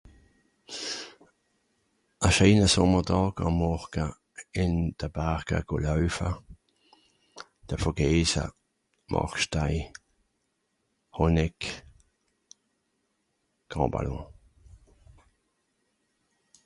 A scheener Sommertàg àm Morga ìn de Barga go laüffa, de Vogesa, Màrkstei, Honeck, Grand Ballon.